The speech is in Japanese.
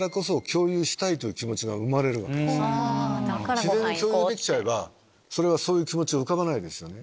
自然に共有できちゃえばそういう気持ち浮かばないです。